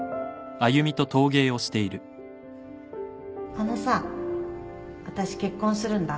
あのさ私結婚するんだ